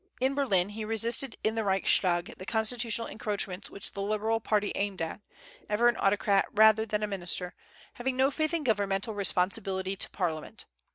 In Berlin, he resisted in the Reichstag the constitutional encroachments which the Liberal party aimed at, ever an autocrat rather than minister, having no faith in governmental responsibility to parliament.